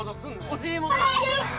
お尻も。